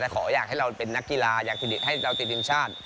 แต่ขออยากให้เราเป็นนักกีฬาอยากให้เราติดทีมชาติ